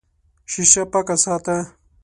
شیشه پاکه ساته.